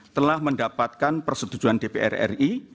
telah mendapatkan persetujuan dpr ri